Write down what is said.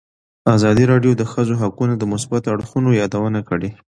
ازادي راډیو د د ښځو حقونه د مثبتو اړخونو یادونه کړې.